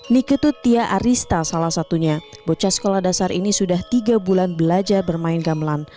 niketut tia arista salah satunya bocah sekolah dasar ini sudah tiga bulan belajar bermain gamelan